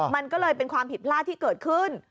มันก็เลยเป็นความผิดพลาดที่เกิดขึ้น